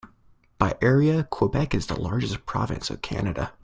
By area, Quebec is the largest province of Canada.